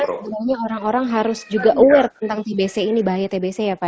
padahal banyak orang orang harus juga tahu tentang tbc ini bahaya tbc ya pak